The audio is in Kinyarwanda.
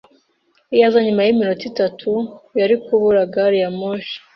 Iyo aza nyuma yiminota itanu, yari kubura gari ya moshi.